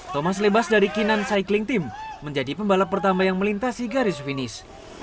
thomas lebas dari kinan cycling team menjadi pembalap pertama yang melintasi garis finish